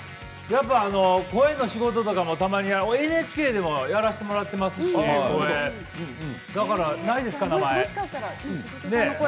やっぱり声の仕事とかも、たまにＮＨＫでもやらせてもらっていますし、声。